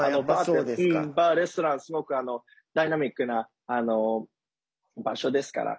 バー、レストラン、すごくダイナミックな場所ですから。